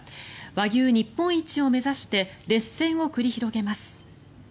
和牛日本一を目指して熱戦を繰り広げます。